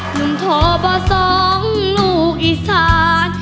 หนุ่มโทรบ่สองลูกอีสาน